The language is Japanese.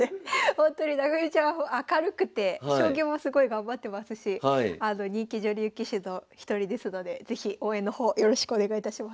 ほんとに武富ちゃんは明るくて将棋もすごい頑張ってますし人気女流棋士の一人ですので是非応援の方よろしくお願いいたします。